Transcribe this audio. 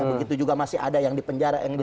karena kemarin masih ada tentang pertemuan lanjutan ini